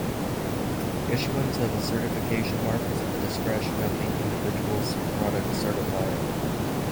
Issuance of a certification mark is at the discretion of the individual product certifier.